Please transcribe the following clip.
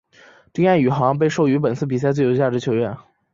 丁彦雨航被授予本次比赛最有价值球员。